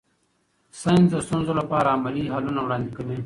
ساینس د ستونزو لپاره عملي حلونه وړاندې کوي.